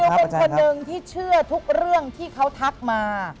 เป็นคนนึงที่เชื่อทุกเรื่องที่เขาทักมา